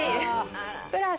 プラス